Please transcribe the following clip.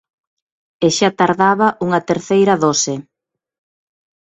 E xa tardaba unha terceira dose.